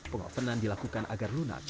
pengopenan dilakukan agar lunak